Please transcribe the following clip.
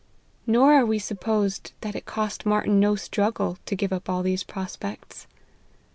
Nor are we to suppose that it cost Martyn no struggle, to give up all these prospects.